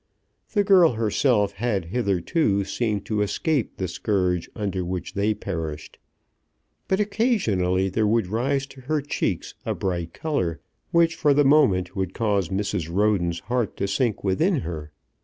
The girl herself had hitherto seemed to escape the scourge under which they perished. But occasionally there would rise to her cheeks a bright colour, which for the moment would cause Mrs. Roden's heart to sink within her.